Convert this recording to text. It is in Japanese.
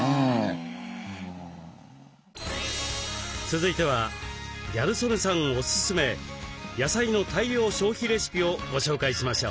続いてはギャル曽根さんおすすめ野菜の大量消費レシピをご紹介しましょう。